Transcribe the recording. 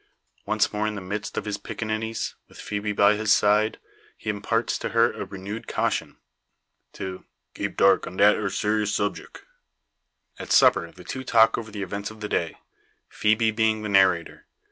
Once more in the midst of his piccaninnies, with Phoebe by his side, he imparts to her a renewed caution, to "keep dark on dat ere seerous subjeck." At supper, the two talk over the events of the day Phoebe being the narrator.